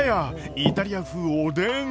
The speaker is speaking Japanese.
イタリア風おでん。